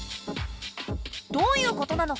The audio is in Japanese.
どういうことなのか。